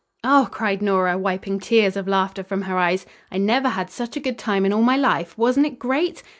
"Oh," cried Nora, wiping tears of laughter from her eyes, "I never had such a good time in all my life! Wasn't it great?"